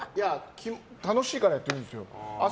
楽しいからやってるんですよ。